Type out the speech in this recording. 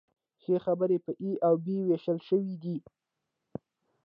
ښي برخه په ای او بي ویشل شوې ده.